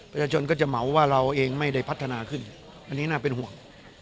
ประชาชนก็จะเหมาว่าเราเองไม่ได้พัฒนาขึ้นอันนี้น่าเป็นห่วง